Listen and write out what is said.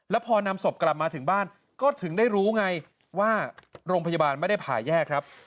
แล้วพอนำศพกลับมาถึงบ้านก็ถึงได้รู้ไงว่าโรงพยาบาลไม่ได้ผ่าแยกครับ